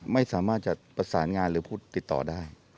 ไม่สามารถจะประสานงานหรือพูดติดต่อได้